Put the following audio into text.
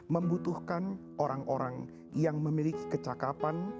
membutuhkan orang orang yang memiliki kecakapan